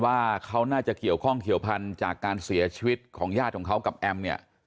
ว่าเขาน่าจะเกี่ยวข้องเกี่ยวพันธุ์จากการเสียชีวิตของญาติของเขากับแอมเนี่ย